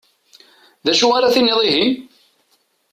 D acu ara tiniḍ ihi?